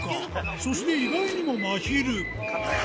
そして、意外にもまひる。